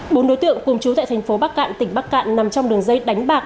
bốn đối tượng cùng chú tại thành phố bắc cạn tỉnh bắc cạn nằm trong đường dây đánh bạc